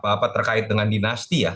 apa terkait dengan dinasti ya